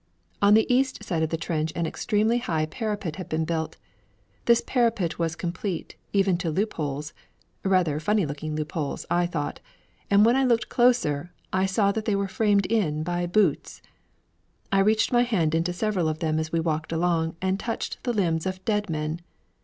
On the east side of the trench an extremely high parapet had been built. This parapet was complete even to loop holes rather funny looking loop holes, I thought; and when I looked closer, I saw that they were framed in by boots! I reached my hand into several of them as we walked along, and touched the limbs of dead men.